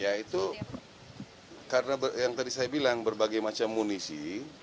ya itu karena yang tadi saya bilang berbagai macam munisi